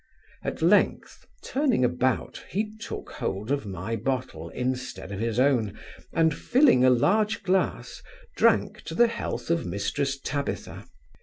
At length, turning about, he took hold of my bottle, instead of his own, and, filling a large glass, drank to the health of Mrs Tabitha.